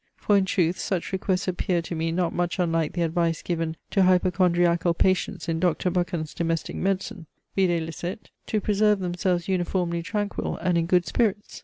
For in truth, such requests appear to me not much unlike the advice given to hypochondriacal patients in Dr. Buchan's domestic medicine; videlicet, to preserve themselves uniformly tranquil and in good spirits.